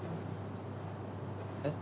えっ？